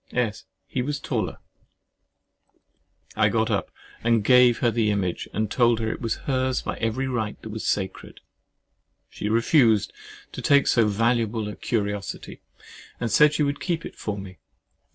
S. He was taller! [I got up and gave her the image, and told her it was hers by every right that was sacred. She refused at first to take so valuable a curiosity, and said she would keep it for me.